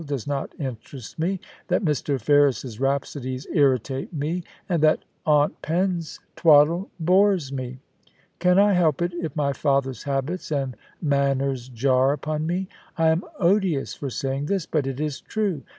does not interest me, that Mr. Ferris*s rhapsodies irritate me, and that Aunt Pen's twaddle bores me ? Can I help it if my father's habits and manners jar upon me ? I am odious for saying this, but it is true.